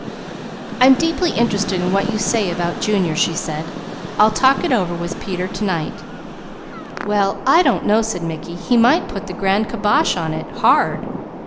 "I'm deeply interested in what you say about Junior," she said. "I'll talk it over to night with Peter." "Well I don't know," said Mickey. "He might put the grand kibosh on it. Hard!